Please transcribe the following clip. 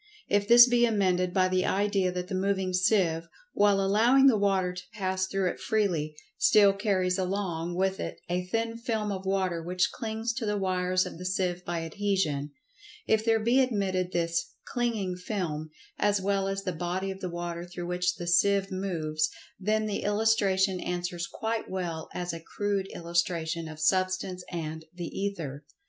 If this be amended by the idea that the moving seive, while allowing the water to pass through it freely, still carries along with it a thin film of water which clings to the wires of the seive by adhesion—if there be admitted this "clinging film" as well as the body of the water through which the seive moves—then the illustration answers quite well as a crude illustration of Substance and "The Ether."